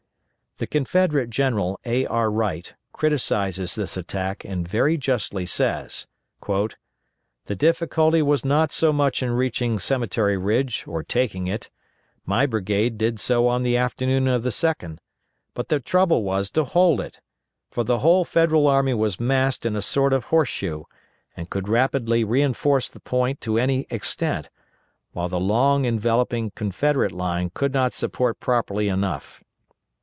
The Confederate General A. R. Wright criticises this attack and very justly says, "The difficulty was not so much in reaching Cemetery Ridge or taking it. My brigade did so on the afternoon of the 2d, but the trouble was to hold it, for the whole Federal army was massed in a sort of horse shoe, and could rapidly reinforce the point to any extent; while the long enveloping Confederate line could not support promptly enough."